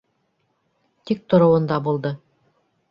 Тик тороуында булды.